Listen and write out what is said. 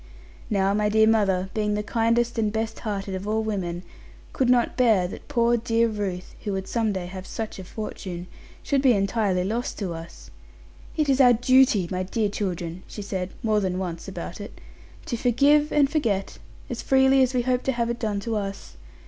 Now my dear mother, being the kindest and best hearted of all women, could not bear that poor dear Ruth (who would some day have such a fortune), should be entirely lost to us. 'It is our duty, my dear children,' she said more than once about it, 'to forgive and forget, as freely as we hope to have it done to us.